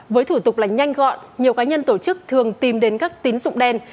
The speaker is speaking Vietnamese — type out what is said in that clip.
với thủ tục là nhanh gọn nhiều cá nhân tổ chức thường tìm đến các tín dụng đen